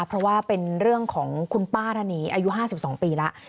เพราะว่าเป็นเรื่องของคุณป้าท่านนี้อายุ๕๒ปีแล้ว